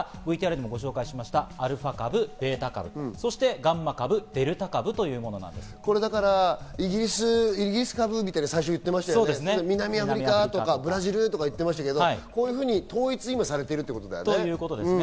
これがＶＴＲでもご紹介したアルファ株、ベータ株、ガンマ株、デルタ株、イギリス株みたいに最初は言ってて、南アフリカとかブラジルとか言ってましたけど、こういうふうに今、統一されているんですね。